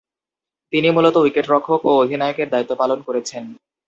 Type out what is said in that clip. তিনি মূলতঃ উইকেট-রক্ষক ও অধিনায়কের দায়িত্ব পালন করেছেন।